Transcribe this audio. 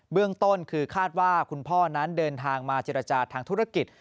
เรื่องต้นคือคาดว่าคุณพ่อนั้นเดินทางมาเจรจาทางธุรกิจ